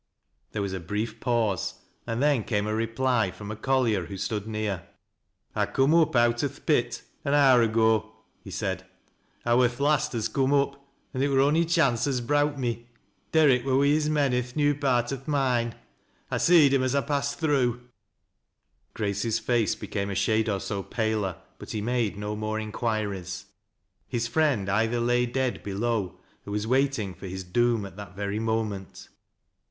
There was a brief pause, and then came a reply from a collier who stood near. " I coom up out o' th' pit an hour ago," he said, " I wur th' last as coom up, an' it wur on'y chance as browt me Derrick wur wi' his men i' th' new part o' th' mine. 1 seed him as I passed through." Grace's face became a shade or so paler, but he made no more inquiries. His friend either lay dead below, or was waiting for his doom at that very moment.